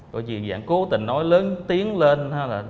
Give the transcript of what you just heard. có gì dạng cố tình nói lớn tiếng lên